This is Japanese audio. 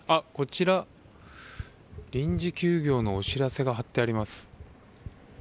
こちら、臨時休業のお知らせが貼ってあります。